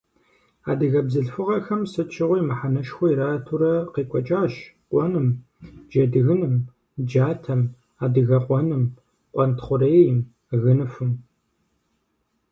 Адыгэ бзылъхугъэхэм сыт щыгъуи мыхьэнэшхуэ иратурэ къекӀуэкӀащ къуэным, джэдгыным, джатэм, адыгэкъуэным, къуэнтхъурейм, гыныхум.